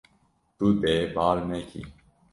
Tu dê bar nekî.